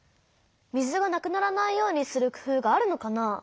水がなくならないようにするくふうがあるのかな？